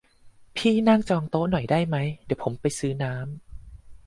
พี่นั่งจองโต๊ะให้หน่อยได้ไหม เดี๋ยวผมไปซื้อน้ำ